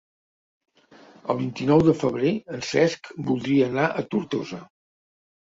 El vint-i-nou de febrer en Cesc voldria anar a Tortosa.